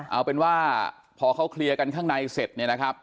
เอาเป็นว่าพอเขาเคลียร์กันข้างในเสร็จ